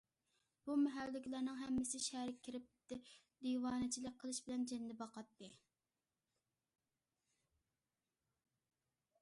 بۇ مەھەللىدىكىلەرنىڭ ھەممىسى شەھەرگە كىرىپ دىۋانىچىلىك قىلىش بىلەن جېنىنى باقاتتى.